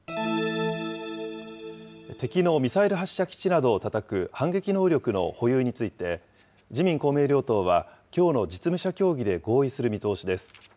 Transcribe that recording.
敵のミサイル発射基地などをたたく反撃能力の保有について、自民、公明両党はきょうの実務者協議で合意する見通しです。